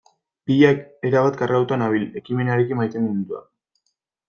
Pilak erabat kargatuta nabil, ekimenarekin maiteminduta.